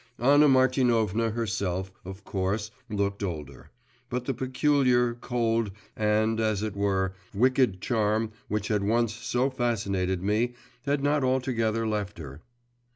Anna Martinovna herself, of course, looked older. But the peculiar, cold, and, as it were, wicked charm which had once so fascinated me had not altogether left her.